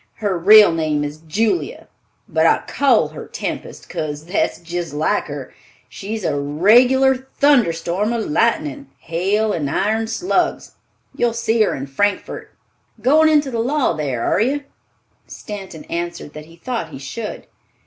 Her real name is Julia, but I call her Tempest, 'case that's jist like her. She's a regular thunderstorm of lightning, hail and iron slugs. You'll see her in Frankfort. Goin' into the law thar, are you?" Stanton answered that he thought he should.